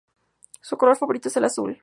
Su color favorito es el azul.